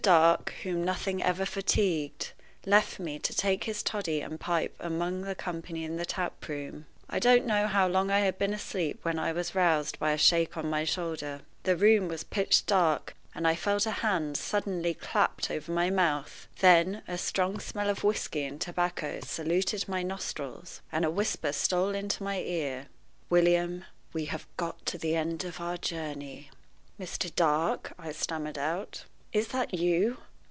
Dark, whom nothing ever fatigued, left me to take his toddy and pipe among the company in the taproom. I don't know how long I had been asleep when I was roused by a shake on my shoulder. The room was pitch dark, and I felt a hand suddenly clapped over my mouth. Then a strong smell of whisky and tobacco saluted my nostrils, and a whisper stole into my ear "William, we have got to the end of our journey." "Mr. Dark," I stammered out, "is that you?